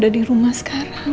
kamu udah dirumah sekarang